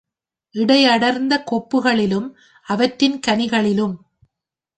இலையடர்ந்த கொப்புகளிலும் அவற்றின் கனிகளிலும்